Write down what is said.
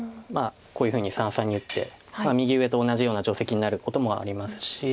こういうふうに三々に打って右上と同じような定石になることもありますし。